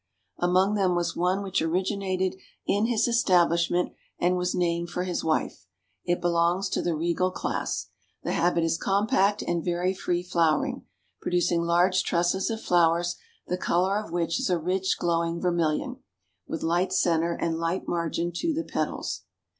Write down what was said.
Among them was one which originated in his establishment and was named for his wife. It belongs to the "Regal" class. The habit is compact and very free flowering, producing large trusses of flowers the color of which is a rich glowing vermilion, with light center and light margin to the petals.